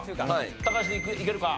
高橋いけるか？